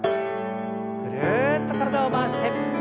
ぐるっと体を回して。